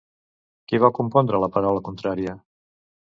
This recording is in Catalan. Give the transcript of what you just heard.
Qui va compondre La paraula contrària?